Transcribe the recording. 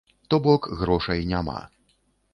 То бок, грошай няма.